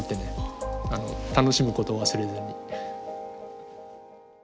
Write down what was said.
楽しむことを忘れずに。